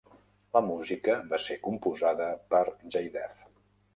La música va ser composada per Jaidev.